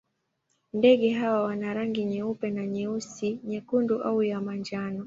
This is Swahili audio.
Ndege hawa wana rangi nyeupe na nyeusi, nyekundu au ya manjano.